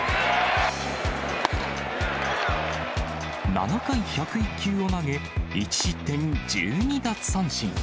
７回１０１球を投げ、１失点１２奪三振。